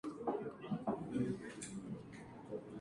Ese tipo de accidente nunca volvió a repetirse.